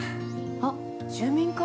あっ住民会。